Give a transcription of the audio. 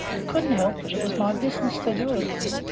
Couldn't help it, it was my business to do it.